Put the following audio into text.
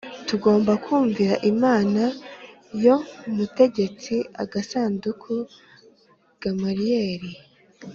Tugomba kumvira Imana yo mutegetsi Agasanduku Gamaliyeli